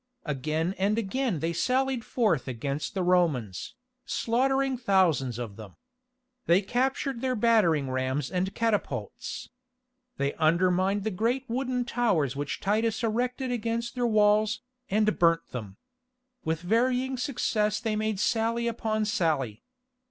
Again and again they sallied forth against the Romans, slaughtering thousands of them. They captured their battering rams and catapults. They undermined the great wooden towers which Titus erected against their walls, and burnt them. With varying success they made sally upon sally.